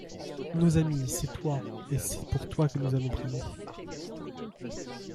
Nos amis, c'est toi, et c'est pour toi que nous allons prier.